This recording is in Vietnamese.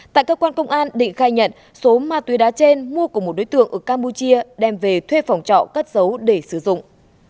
tại cơ quan công an định khai nhận số ma túy đá trên mua của một đối tượng ở campuchia đem về thuê phòng trọ cất giấu để sử dụng